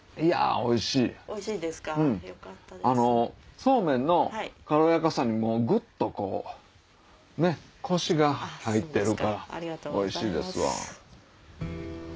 そうめんの軽やかさにグッとコシが入ってるからおいしいですわ。